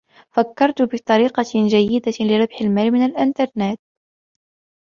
فكرَت في طريقة جيدة لربح المال من الإنترنت.